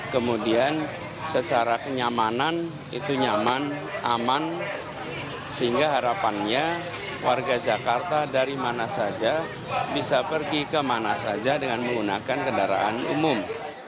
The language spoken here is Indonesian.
kemudian secara kenyamanan itu nyaman aman sehingga harapannya warga jakarta dari mana saja bisa pergi kemana saja dengan menggunakan kendaraan umum